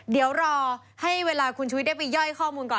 เดี๋ยวรอให้เวลาคุณชุวิตได้ไปย่อยข้อมูลก่อน